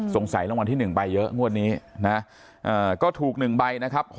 รางวัลที่๑ไปเยอะงวดนี้นะก็ถูก๑ใบนะครับ